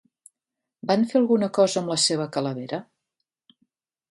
Van fer alguna cosa amb la seva calavera?